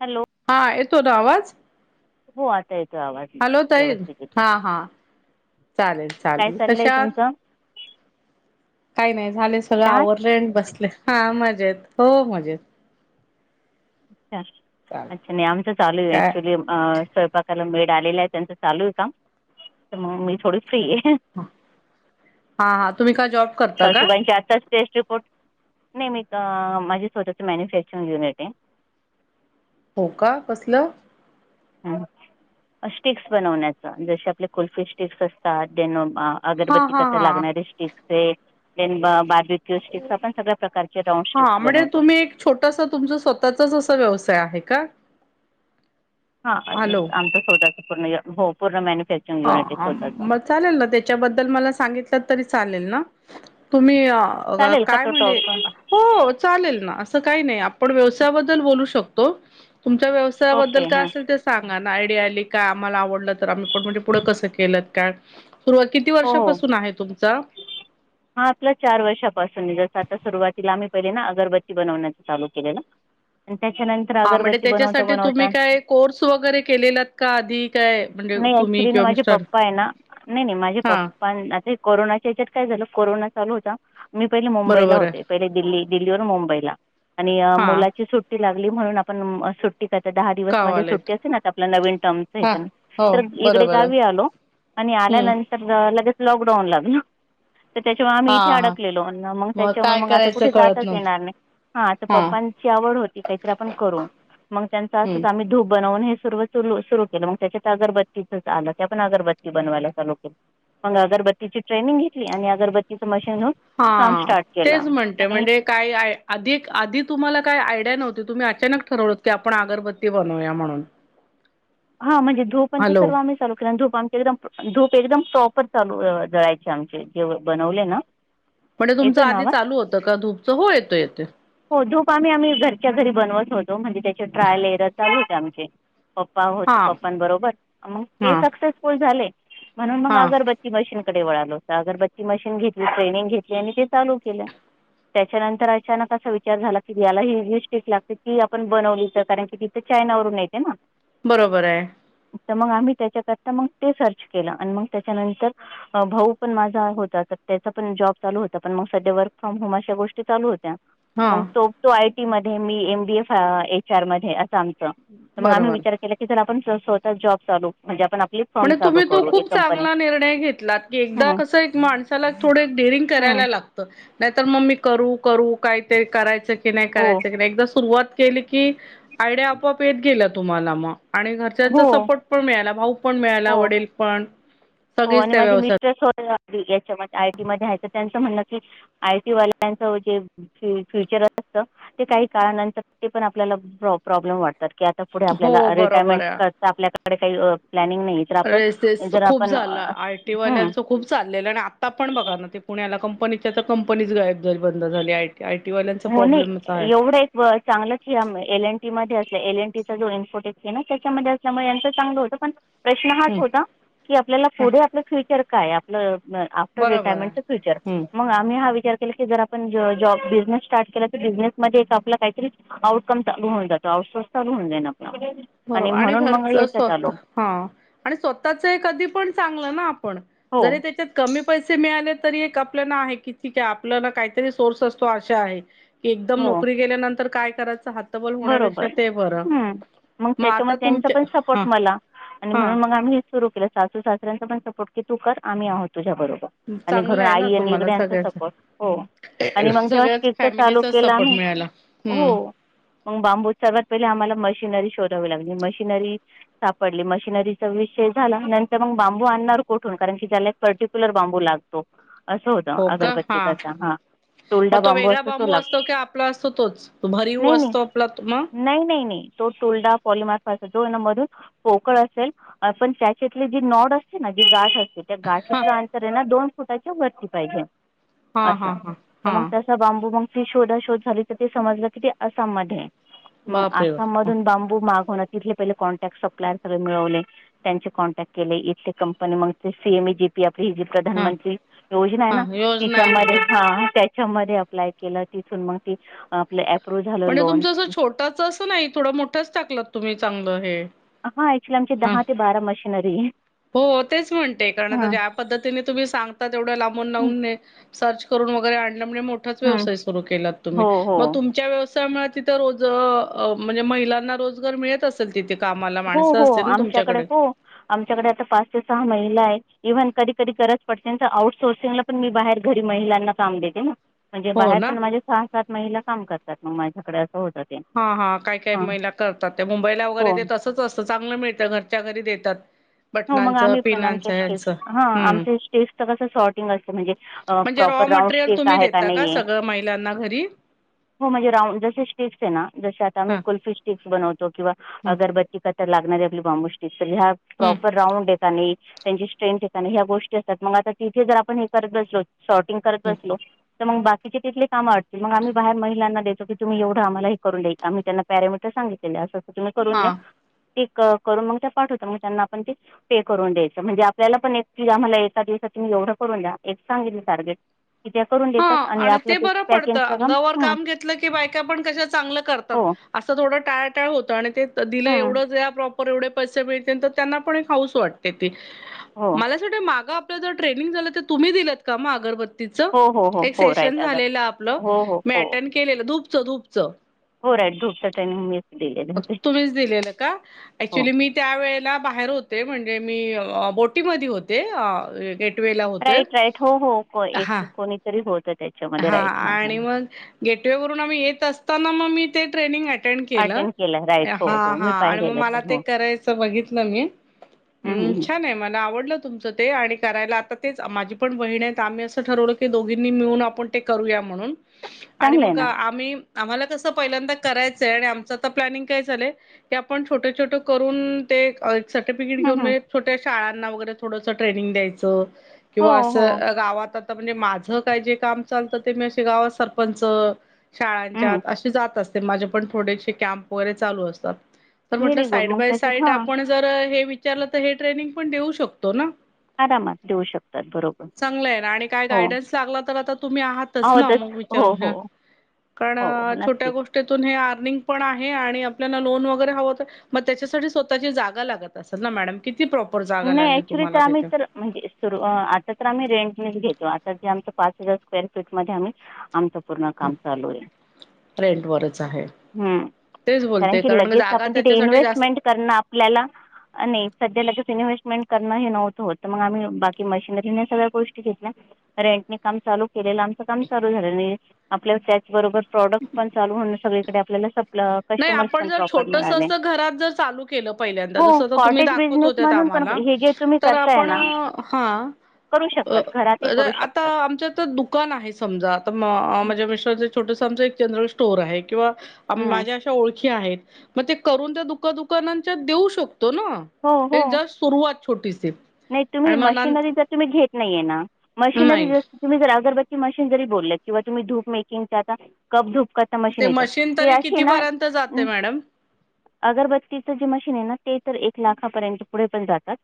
Hello. हा येतो ना आवाज? हो आता आवाज हॅलो ताई व्यवस्थतीचा येतोय. हा हा चालेल काय चालेल चाललंय कशा तुमचं? काय नाय झाले सगळं अच्छा आवरल अन् बसले हा मजेत हो मजेत. हा चालेल अच्छा अच्छा नि आमच चालू आय काय ऍक्च्युअली अ स्वयंपाकाला मेळ आलेला आय त्यांचं चालू आय काम तर मग मी थोडी फ्री ए. हा हा तुम्ही काय जॉब करता का? सासुबाईंचे आत्ताच टेस्ट रिपोर्ट नाय मी आता माझे स्वतःचं मॅन्युफॅक्चरिंग युनिट ए. हो का कसलं? अ स्टिक्स बनवण्याचा जसे आपले कुल्फी स्टिक्स असतात डेनोमा हा अगरबत्ती हा कथा हा लागणारे स्टिकचे देनबा क्यू स्टिक्स आपण सगळ्या प्रकारच्या राऊंड स्टिक्स बनवतो. छोटसा तुमच स्वतःचच असा व्यवसाय आहे का? हा हॅलो आमच स्वतःच पूर्ण हो पूर्ण मॅन्युफॅक्च हा आम म चालेल ना त्याच्याबद्दल मला सांगितलं तरी चालेल ना. तुम्ही अ चालेल का काय तो म्हणजे टॉप पण हो चालेल ना असं काय नाय आपण व्यवसायाबद्दल बोलू शकतो. तुमच्या व्यवसा साया ओके बद्दल काय हां असेल ते सांगा ना आयडिया आली का आम्हाला आवडलं तर पण म्हणजे पुढं कसं केलंत काय सुरुवात किती हो हो वर्षापासून आहे तुमचा? हा आपल्या चार वर्षापासून जसं आता सुरुवातीला आम्ही पहिले ना अगरबत्ती बनवण्याच चालू केलेलं. आणि त्याच्यानं हा म्हणजे त्याच्यासाठी तुम्ही काय कोर्स वगैरे केलेलात का आधी काय म्हणजे नाही तुम्ही ॲक्च्युली ना किंवा माझे मिस्टर पप्पा ना नाई नाई माझे हा पप प्पाना आता कोरोनाच्या याच्यात काय झालं कोरोना चालू होता मी पहिले मुंबईला बरोबर आहे होते. पहिले दिल्ली दिल्ली वरून मुबईला आणि हा मुलाची सुट्टलागली म्हणून आपण ट्टीत आता दहा दिवस मध्ये गावालायत सुट्टी असेल ना आपला नवीन हा टर्मच हो तर इकडे बरोबर आहे गावी आलो आणि हम्म आल्यानंतर लगेच लॉकडाऊन लागल. तर त्याच्यामुळ आम्ही हा इथे हा अडकलेलो मग त्याच्यामुळे काय मग आता करायचं कुठे कळत जाताच नव्हतं येणार नाय. हा तर पप्पांची आवड होती कायतरी आपण करू मग त्यांच हम्म असं आम्ही धूप बनवून हे सुर रू सुरू केलं मग त्याच्यात अगरबत्तीच आलं ते पण अगरबत्ती बनवायला चालू केलं. मंग अगरबत्तीची ट्रेनिंग घेतली आणि अगरबत्तीचं मशीन घेऊन काम हां स्टार्ट केलं तेचं म्हणते आणि म्हणजे कांहीं आंधी आंधी तुम्हांला कायं आयडिया नव्हती तुम्हीं अचांनक ठरवलंत की आपणं अगरबत्ती बनवूंया म्हणूंन हां म्हणजे धूंप अनं ते हॅलो सर्व आम्हीं चालूं केलं आहे म्हणजे धूंप बांम एकदंम धूंप एकदंम प्रॉपर चालूं जळांयचे आमचे जे बनवले नां म्हणजे तुमचं आंधी चालूं होतं कां धूंपचं हो येतो येते हो धूंप आम्हीं आम्हीं घरच्यां घरी बनवंत होतो म्हणजे त्यांचे ट्रायंल येरं चालूं होते आमचे हो हा पप्पां बरोबर मंग ते हा सक्सेसफुंल झाले म्हणूंन मंग हा अगरबत्ती मशीनकडे वळांल होतं अगरबत्ती मशीन घेतली ट्रेनिंग घेतली आणि ते चालूं केलं त्यांच्यानंतर अचांनक असां विचारं झालायं की यांला हं टीक लागते की आपणं बनवलीच कारणं की ते चांयना वरूंन येते नां बरोबर आहे तरं मंग आम्हीं त्यांच्याकरतां मंग ते सर्च केलं आणि मंग त्यांच्यानंतर भाऊ पणं माझां होतां तरं त्यांचा पणं जॉब चालूं होतां पणं मंग संध्या वर्क फ्रॉम होमं अशा गोष्टी चालूं होत्यां हा मंग तो तो आयटी मध्यें मी एमबीएफ एच आर मध्यें असं आम तरं मंग आम्हीं बरोबर विचांर केलां की जरं आपणं स्वंतः जॉब चालूं म्हणजे आपणं आपली फर्म म्हंणे चालू तुम्हीं तो करू एक खूंप कंपनी चांगला निर्णय घेतलांत की हम्म, एकदाचं कसं एक माणसांला थोडं डेरिंग हम्म, करांयला लागतं नाहीं तरं मंग मी करूं करूं कांहीतरी करायचं की नाहीं हो करायचं की नाहीं एकदाची सुरुवांत केली की आयडिया आपोआप येतं गेलां तुम्हांला मंग आणि हो घरच्यांचा सपोर्ट पणं मिळांला भाऊ मिळांयला हो वडील पणं हो आणि माझे मिस्टर्स हो यांच्या आय टी मध्यें यायचं त्यांचं म्हणणं की आय टी वाल्यांच होजं फ्युंचर असतं ते कांहीं काळानंतर ते पणं आपल्यांला प्रॉब्लेम वाटतं तरं की आंता पुढे हो आपल्यांला बरोबर आहे. रिटायरमेंट आपल्यांकडे कांहीं प्लॅनिंग नाहीं रेसेस खूंप झालायं आयटी हं, वाल्यांच खूंप चाललेलं आणि आंता पणं बघां नां ते पुण्यांला कंपनीच्या तरं कंपनीच गायब बंद झाली आय की आयटी वाल्यांचा हो नाही प्रॉब्लेमचं आहे एवढं एक व चांगलंच एल एन टी मध्यें असल्यां एल एनटीचां जो इन्फोटेस आहे नां त्यांच्यामध्यें त्यांमुळे यांचं चांगलं होतं पणं प्रश्न हांच होतां हम्म की आपल्यांला पुढे आपलं फ्युंचर कायं आपलं आफ्टरनूंन बरोबर आहे. रिटायरमेंटचं फ्युंचर हम्म मंग आम्हीं हां विचारं केलां की जरं आपणं जॉब बिझनेस स्टार्ट केलां तरं बिझनेस मध्यें आपलं कांहीतरी आउटकम चालूं होऊंन जातो आउटसोर्स चालूं होऊ जाईल आपलां आणि म्हणूंन मंग यांच्यात आलो हां आणि स्वंतःचं कधीं पणं चांगलं नां आपणं हो जरी त्यांच्यात कमी पैसे मिळाले तरी एक आपल्यांला आहे कि ठीक आहे आपल्यांला कांहीतरी सोर्स असतो आशा आहेतं की एकदंम हो नोकरी गेल्यानंतर कायं करायचं हात बरोबर मंग मग त्यांच्यामुळे आता त्यांचा तुमचे पणं हा सपोर्ट मलां आणि हा म्हणूंनचं मं आम्हीं हेचं सुरूं केलं सासू सासऱ्यांचा पणं सपोर्ट की तूं करं आम्हीं आहोत तुझ्या बरोबर आणि चांगलं घरूंन आहे ना आई आणि तुम्हाला इकड्यांचा सगळ्याच सपोर्ट हो आणि मंग जेव्हा सगळ्याच शिच चालूं फॅमिलीचाच केलं सपोर्ट आम्हीं मिळाला हो हम्म मंग बांबू सर्वात पहिले आम्हांला मशिनरी शोधांवी लागली मशिनरी सापडली मशिनरीचा विषय झालायं नंतर मंग बांबू आणणारं कोठूंन कारणं की त्यांला एक पर्टिक्युलर बांबू लागतो असं होतं हो का हा अगरबत्तीचा हां टोलडा बॉमबू वेगळा असं तो बांबू लागतो असतो की आपला आपलां असतं तोचं तो भरीव असतो आपलां मंग नाहीं नाहीं नाहीं तो टोलडा पॉलीमार्फ असंतो जो यां मधूंन पोकळ असेल. पण त्याच्यातली जी नॉड असते ना? जी गाठ असेल - त्या हा गाठीतल अंतर ए ना दोन फुटाच्या वरती पाहिजे हा हा असं. हा तर हा मग- बांबू मंग ती शोधा शोध झाली तर ते समजलं की ते आसामध्ये ए. मग बापरे बाप आसाम म - बांबू मागवण तिथले पहिले कॉन्टॅक्ट सप्लायर सगळे मिळवले. त्यांचे कॉन्टॅक्ट केले. इथली कंपनी मग ते C M E G P आपली ही जी - हा प्रधानमंत्री योजना आहे ना? हा योजना आहे तिच्यामध्ये, बर हां. - च्या मधे ऍप्लाय केला. तिथून मग ती आपल्या ऍप- पण हे तुमचं असं छोटच असं नाही. थोड मोठंच टाकलत तुम्ही चांगलं हे. हां. ऍक्च्युली आमची हा दहा ते बारा मशिनरी ए. हो. तेच म्हणते कारण आता - पद्धतीने तुम्ही सांगता तेवढ्या लांबून लावून सर्च करून वगैरे आणल म्हणजे मोठं - -ठाच हां व्यवसाय सुरू केला हो तुम्ही. हो मग तुमच्या वेळेस- तिथ रोज, म्हणजे महिलांना रोजगार मिळत- तिथे कामाला हो माणसं हो असतील ना आमच्याकडे तुमच्याकडे? हो आमच्याकडे आता पाच ते सहा महिला ए. इव्हन कधी कधी गरज पडते ना तर आउटसोर्सिंगला पण मी बाहेर घरी महिलांना काम देते ना? म्हणजे हो बाहेर ना पण माझे सहा सात महिला काम करतात मग माझ्याकडे असं होत. हा. हा. काय काय महिला करतात ते. मुंबईला वगैरे हो ते तसंच असतं. चांगलं मिळतं घरच्या घरी देतात. हो. मग बटणांचं आम्ही पण आमच्या पिनांचं स्टेप्स, ह्यांचं हा. हम्म आमच्या स्टेपच कसं शॉर्टिंग असत म्हणजे- आं. म्हणजे raw proper round material shape तुम्ही आहे का देता नाही ए? सगळं महिलांना घरी हां. म्हणजे राउंड. जसे स्टेप्स आहे ना? जसे आता आम्ही हा कुल्फी- स्टिक्स बनवतो किंवा ह अगरबत्ती करता लागणारी आपली बांबू स्टिक. तर ह्या हम्म प्रॉपर राऊंड ए का नाही- त्यांची स्ट्रेंथ आहे का नाही. ह्या गोष्टी असतात. मग आता तिथे जर आपण हे करत बसलो. शॉर्टिंग करत बसलो- तर मग बाकीची तिथले काम आडतील. मग आम्ही बाहेर महिलांना देतो की तुम्ही एवढं आम्हाला हे करून देई- आम्ही त्यांना पॅरामीटर सांगितलेलय. अस असं तुम्ही करून द्या. हा ते करून मग त्या पाठवता. मग त्यांना- म्हणजेच. पे करून द्यायचं. म्हणजे आपल्याला पण एक की, आम्हाला एका दिवसात तुम्ही एवढं करून द्या. एक सांगितल टार्गेट. की त्या करून- देतात हां. आणि आपलं ते बरं पडतं. पॅकिंगचं अंगावर हं, काम घेतलं की बायका पण कशा चांगलं करतात. हो अस थोडं टाळ टाळ होतं. आणि ते दिलं हं. एवढंच- पैसे भेटतील. तर त्यांना पण एक हाऊस वाटते ती. हो. मला- माग आपल जे ट्रेनिंग झालं. ते तुम्ही दिलत का मग अगरबत्- हो. हो. हो. राईट सेशन अगर झालेलं आपलं. हो, हो, मी हो. अटेंड केलेलं. धुपच धूपचं. हो, राईट ग्रुपचं ट्रेनिंग मीच दिलेले होते. तुम्हीच दिलेलं का? हो. ॲक्च्युली मी त्यावेेळेला बाहेर होते. म्हणजे मी बोटीमध्ये होते. Gate- right right. हो हो. एक कोणीतरी होत त्या- हां. आणि मग गेटवे वरून आम्ही येत असताना मग मी ते ट्रेनिंग- -टेंड केल. अटेंड केलं राईट. हा. हो, हो. हा. मी आणि मग पाहिलेलं मला ते हो. करायचं बघितलं मी. हं, हम्. हं, हं. छान आहे. मला आवडलं- तुमचं ते. आणि करायला आता तेच माझी पण बहीण आहे. त आम्ही असं ठरवल की - दोघींनी मिळून आपण ते करूया म्हणून आणि चांगलं आहे मग ना. आम्ही- आम्हाला कसं पहिल्यांदा करायचंय. आणि आमचं आता प्लॅनिंग काय झालंय? ते आपण छोटे छोट करून ते एक - सर्टिफिकेट हं, घेऊन म हं. ते छोट्या शाळांना वगैरे थोडसं ट्रेनींग द्यायचं. हो, किंवा हो. असं गावात आता म्हणजे माझं काय जे काम चालतं ते मी असं गावात सरपंच. शाळांच्या हं. असे जात असते माझे पण थोडेसे कॅम्प वगैरे चालू असतात. तर म्हटलं व्हेरी गुड. साईड मग बाय त्याच्यात साईड हां, आपण जर हे विचारलं तर हे ट्रेनिंग पण देऊ शकतो ना. आरामात देऊ शकतात बरोबर हो. म तर तुम्ही आहातच अहो, ना मग तसं विचार हो, घ्या हो. कारण हो, छोट्या नक्कीच. गोष्टी. तेथून हे अर्निंग पण आहे आणि आपल्याला लोन वगैरे हवं तर. मग त्याच्यासाठी स्वतःची जागा लागत असेल ना मॅडम किती प्रॉपर जागा नाही लागली ॲक्च्युली तर तुम्हाला आम्ही तिथे. तर म्हणजे सुरू आता तर आम्ही रेंटनेच घेतो आता जे आमच पाच हजार स्क्वेअर फीटमध्ये आम्ही. आमचं पूर्ण काम चालू आहे. रेंटवरच आहे ह तेच कारण बोलते जागा लगेचआपण तिथे त्याच्यासाठी जास्त इन्व्हेस्टमेंट. करणं आपल्याला आणि सध्याला लगेच. इन्व्हेस्टमेंट करण हे नव्हतं होतं मग आम्ही बाकी मशनरीने सगळ्या गोष्टी घेतल्या. रेंट नी काम चालू - केललं आमच काम चालू झालं नाही आपल्या त्याचबरोबर प्रॉडक्ट पण चालू हो सगळे. तिकडं आपल्याला सपल. नाही आपण जर छोटसं घरात जर चालू केलं पहिल्यांदा हो जसं तुम्ही कॉटेज दाखवत बिझनेस होत्या. म्हणून पण कामाला हे जे तुम्ही तर करताय आपण ना हा करू शकतात [inaudible] घरातही करू आता शकतात आमच तर दुकान आहे समजा आता म माझ्या मिस्टर छोटस आमचं एक जनरल स्टोर आहे किंवा? हं. माझ्या अशा ओळखी आहेत. मग ते करून त्या दुका- दुका देऊ शकतो ना हो, हो. जस्ट. सुरुवात छोटी. नाही तुम्ही मशिनरी जर तुम्ही घेत नाहीये ना मशिनरी नाही ज - तुम्ही जर अगरबची मशीन जरी बोलेत किंवा तुम्ही धूप मेकिंग आता कप धूप- मशीन येत ते तरी असे ना. कितीपर्यंत जाते मॅडम? अगरबत्तीचं जे मशीन आहे ना ते तर एक लाखापर्यंत पुढे पण जातात.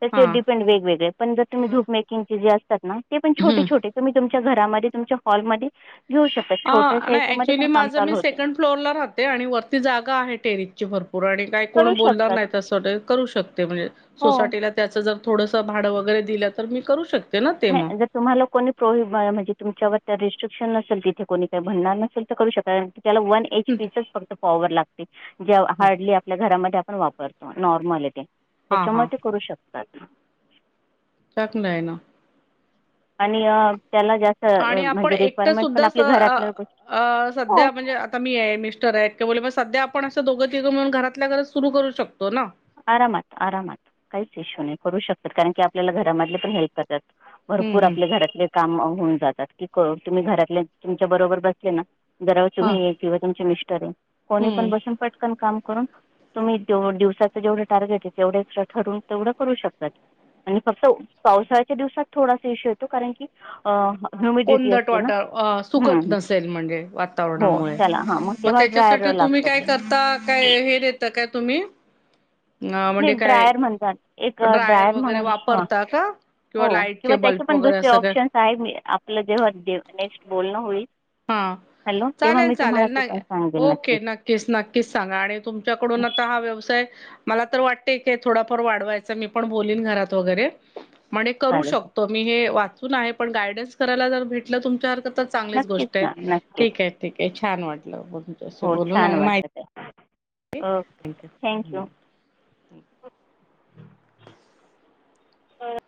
त्याचे हां डिपेंड वेगवेगळे पण जर तूम्ही धूप मेकंगचे जे असतात ना ते पण छोटे- हं. छोटे. तुम्ही तुमच्या घरामध्ये तुमच्या हॉलमध्ये घेऊ शकता. ह छोट्याशा नाही याच्यामध्ये ऍक्च्युअली पण काम माझं मी चालू होते. सेकंड फ्लोर ला राहते आणि वरती जागा आहे टेरिसची भरपूर आणि - काही करू कोण बोलणार शकतात. नाही तसं करू शकते म्हणजे हो. सोसायटीला. त्याचं जर थोडंसं भाडं वगैरे दिलं तर मी करू शकते. ना ते म मग. तुम्हाला कोणी प्रोहिब म्हणजे तुमच्यावर त्या रेस्ट्रिक्शन नसेल तिथे कोणी काही म्हणार नसेल तर करू शकणार त्याला वन- एच पी च फक्त फॉवर लागते जे हार्डली आपल्या घरामध्ये आपण वापरतो नॉर्मल ते. हा हा त्याच्यामुळे ते करू शकतात. चक नाई ना. आणि त्याला जास्त - आणि आपण एकटं सुद्धा गोष्टी स - हो सध्या म्हणजे अ. मी आहे मिस्टर आहे किं बोले मग सध्या आपण असं दोघं तिघं मिळून घरातल्या घरात सुरू करू शकतो ना. आरामात - आरामात काहीच इश्यू नाही करू शकतात कारण की आपल्याला घरामधले पण हेल्प करतात. हम्म भरपूर हम्म आपल्या घरातले. काम होऊन जातात की तुम्ही घरातल्या तुमच्या बरोबर बसले ना जरा हा तुम्ही- किंवा तुमचे मिस्टर हे कोणी पण हम्म बसून पटकन काम करून तुम्ही दिवसात. जेवढ टार्गेट आहे तेवढे एक्स्ट्र ठरून तेवढं करू शकतात. आणि फक्त पावसाळ्याच्या दिवसात थोडासा इशू येतो कारण की? ह्युमिडिटी कोंदट असते ना वाटा सुकतं हम्म. नसेल म्हणजे हो वातावरणामुळे. चला हां मग तेव्हा त्याच्यासाठी ड्रायर तुम्ही लागतं काय ते करता? काय हे दता काय तुम्ही. अ, नाही म्हणजे काय ड्रायर म्हणतात एक ड्रायर वगैरे म्हणून हा. वापरता का हो लाईटचे किंवा त्याचे बल्ब पण वगैरे दुसरे असं काय ऑप्शन्स आहेी आपलं जेव्हा नेक्स्ट बोलणं होईल. हा हॅलो तेव्हा मी चालेल तुम्हाला चालेल ते नाही पण सांगेल ओके नक्कीच नक्कीच सांगा आणि तुमच्याकडून आता हा व्यवसाय मला तर वाटतय का थोडाफार वाढवायचा मी पण बोललीन घरात वगैरे म्हणे करू चालेल शकतो मी हे वाचून आहे पण गायडन्स करायला जर भेटलं तुमच्या हरकत चांगलीच नक्कीच गोष्ट आहे ना नक्कीच ठीक आहे ठीक आहे छान वाटलं हो बोलून छान आणि वाटत आहे थँंक माहिती यू ह [inaudible]